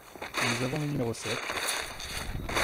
Nous avons le numéro sept…